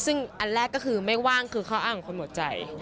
ซึ่งอันแรกก็คือไม่ว่างคือข้ออ้างของคนหัวใจ